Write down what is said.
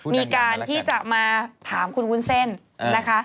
มีการที่จะมาถามคุณวุ้นเส้นนะคะ